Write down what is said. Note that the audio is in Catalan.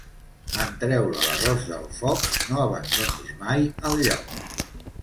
En treure l'arròs del foc no abandonis mai el lloc.